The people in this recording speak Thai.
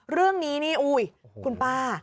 เรื่องนี้นี่อุ๊ยคุณป้า